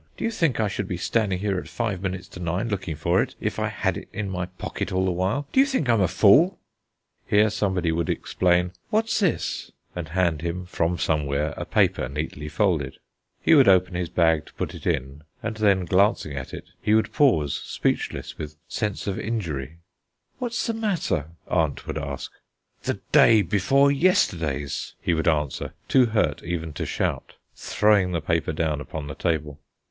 Do you think I should be standing here at five minutes to nine looking for it if I had it in my pocket all the while? Do you think I'm a fool?" Here somebody would explain, "What's this?" and hand him from somewhere a paper neatly folded. "I do wish people would leave my things alone," he would growl, snatching at it savagely. He would open his bag to put it in, and then glancing at it, he would pause, speechless with sense of injury. "What's the matter?" aunt would ask. "The day before yesterday's!" he would answer, too hurt even to shout, throwing the paper down upon the table.